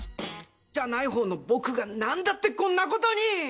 じゃない方の僕がなんだってこんなことに！？